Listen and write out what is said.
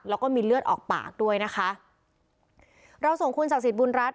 แล้วก็มีเลือดออกปากด้วยนะคะเราส่งคุณศักดิ์สิทธิบุญรัฐ